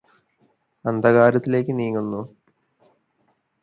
അന്ധകാരത്തിലേയ്ക് നീങ്ങുന്നു